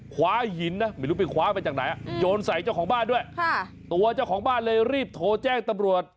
คว้าหินนะไม่รู้ไปคว้ามาจากไหนโยนใส่เจ้าของบ้านด้วยตัวเจ้าของบ้านเลยรีบโทรแจ้งตำรวจ